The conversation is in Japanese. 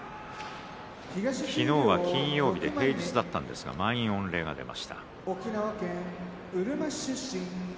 昨日は金曜日、平日だったんですが満員御礼が出ました。